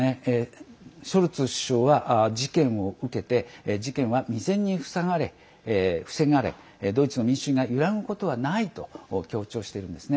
ショルツ首相は事件を受けて事件は未然に防がれドイツの民主主義が揺らぐことはないと強調しているんですね。